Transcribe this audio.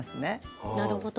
なるほど。